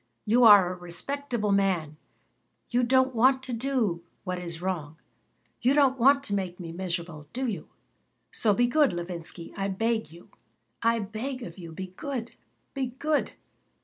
You are a respectable man. You don't want to do what is wrong. You don't want to make me miserable, do you? So be good, Levinsky. I beg of you. I beg of you. Be good. Be good.